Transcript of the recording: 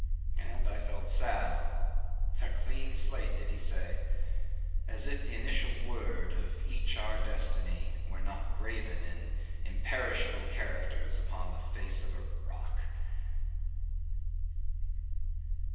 And I felt sad. A clean slate, did he say? As if the initial word of each our destiny were not graven in imperishable characters upon the face of a rock.